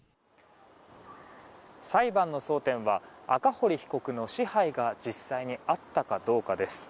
裁判の争点は赤堀被告の支配が実際にあったかどうかです。